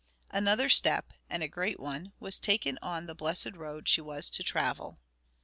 Another step, and a great one, was taken on the blessed road she was to travel.